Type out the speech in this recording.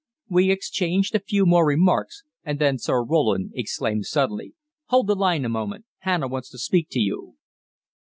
We exchanged a few more remarks, and then Sir Roland exclaimed suddenly: "Hold the line a moment. Hannah wants to speak to you."